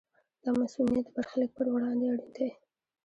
دا مصونیت د برخلیک پر وړاندې اړین دی.